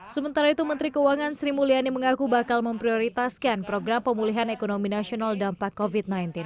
sementara itu menteri keuangan sri mulyani mengaku bakal memprioritaskan program pemulihan ekonomi nasional dampak covid sembilan belas